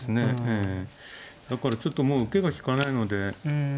ええだからちょっともう受けが利かないので。